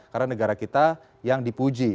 karena negara kita yang dipuji